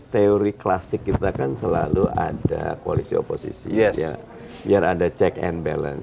teori klasik kita kan selalu ada koalisi oposisi biar ada check and balance